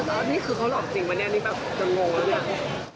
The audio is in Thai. อ่านี่คือเขาหลอกจริงป่ะเนี่ยนี่แบบจะโง่แน่